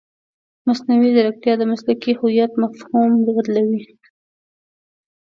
مصنوعي ځیرکتیا د مسلکي هویت مفهوم بدلوي.